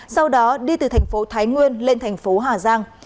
sau đó đi từ thành phố thái nguyên lên thành phố hà giang